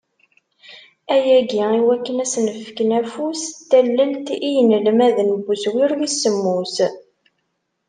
Ayagi, i wakken ad asen-fken afus n tallelt i yinelmaden n uswir wis semmus.